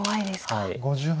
はい。